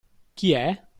Chi è?